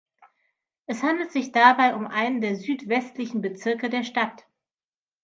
Es handelt sich dabei um einen der südwestlichen Bezirke der Stadt.